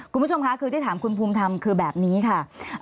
คุณผู้ชมค่ะคือที่ถามคุณภูมิทำคือแบบนี้ค่ะ